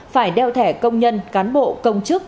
phải đeo thẻ công nhân cán bộ công chức